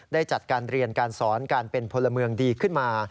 ได้จัดการเรียนการสอนการเป็นพลเมืองดีขึ้นมา